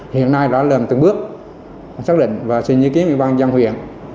hiện nay đã lần từng bước xác định và xin nhớ kiếm ủy ban giang huyện